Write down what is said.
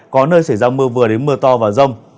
có nơi xảy ra mưa vừa đến mưa to và rông